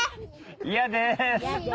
嫌です。